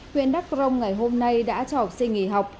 huyện đắk crong ngày hôm nay đã trọc sinh nghỉ học